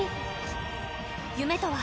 夢とは？